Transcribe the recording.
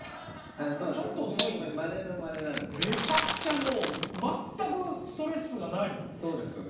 めちゃくちゃもう全くストレスがないもん。